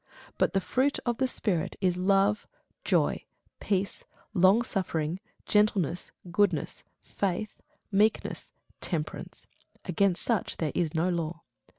But the fruit of the Spirit is love, joy, peace, longsuffering, gentleness, goodness, faith, meekness, temperance: against such there is no law.